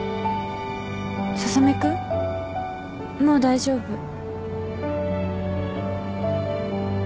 もう大丈夫。